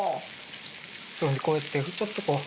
こうやってちょっとこう。